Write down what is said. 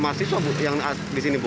masih coba yang disini bu